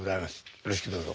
よろしくどうぞ。